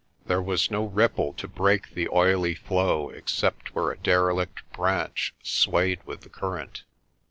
There was no ripple to break the oily flow except where a derelict branch swayed with the current.